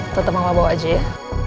tetep sama lo bawajie ya